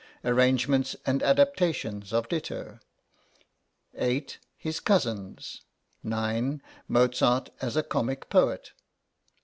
Arrangements and adaptations of ditto. 8. His cousins. 9. Mozart as a comic poet.